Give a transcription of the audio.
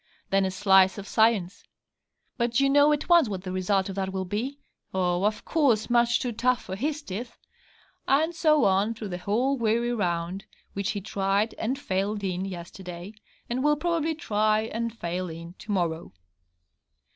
Then a slice of science; but you know at once what the result of that will be ah, of course, much too tough for his teeth. And so on through the whole weary round, which he tried (and failed in) yesterday, and will probably try and fail in to morrow.